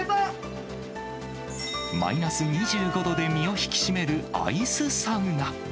マイナス２５度で身を引き締めるアイスサウナ。